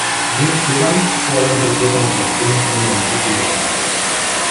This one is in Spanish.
James Bevan ha jugado un partido con la selección nacional de rugby de Gales.